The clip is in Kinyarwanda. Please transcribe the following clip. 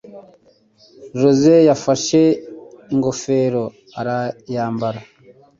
Jose yafashe ingofero arayambara.